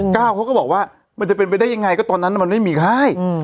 เขาก็บอกว่ามันจะเป็นไปได้ยังไงก็ตอนนั้นมันไม่มีค่าย